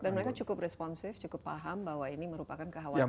dan mereka cukup responsif cukup paham bahwa ini merupakan kekhawatiran yang